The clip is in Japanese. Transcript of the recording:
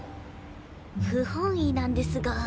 不本意なんですが。